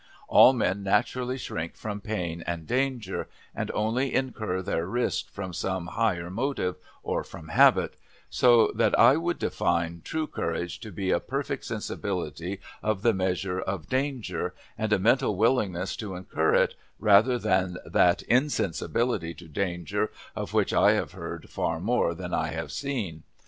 All men naturally shrink from pain and danger, and only incur their risk from some higher motive, or from habit; so that I would define true courage to be a perfect sensibility of the measure of danger, and a mental willingness to incur it, rather than that insensibility to danger of which I have heard far more than I have seen.